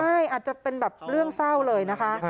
ใช่อาจจะเป็นแบบเรื่องเศร้าเลยนะคะ